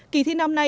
kỳ thi năm nay